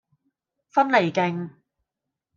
芬尼徑